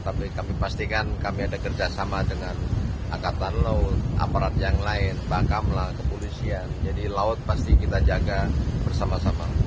tapi kami pastikan kami ada kerjasama dengan angkatan laut aparat yang lain bakamlah kepolisian jadi laut pasti kita jaga bersama sama